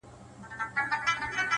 که مړ سوم نو ومنه،